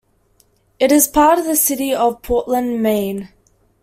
It is part of the city of Portland, Maine.